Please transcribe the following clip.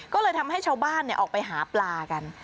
ก็เลยทำให้ชาวบ้านออกไปหาปลากัน